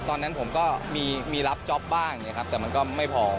ตอนนั้นผมก็มีรับจอบบ้างเนี่ยครับแต่มันก็ไม่พอ